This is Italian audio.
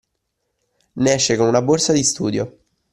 Ne esce con una borsa di studio